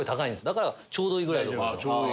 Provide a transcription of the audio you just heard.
だからちょうどいいぐらいだと思う。